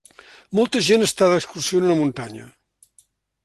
Molta gent està d'excursió en una muntanya.